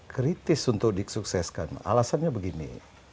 kritis untuk disukseskan alasannya begini